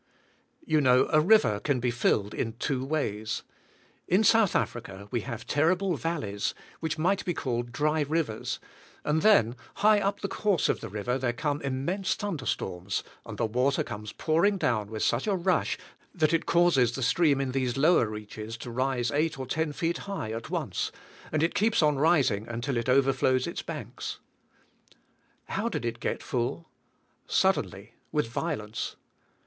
You know, a river can be filled in two ways. In South Africa we have terrible valleys, which might be called dry rivers, and then high up the course of the river there come immense thunder storms and the water comes pouring down with such a rush that it causes the stream in these lower reaches to rise eight or ten feet high at once, and it keeps on rising until it overflows its banks. How did it get full? Suddenly, with violence.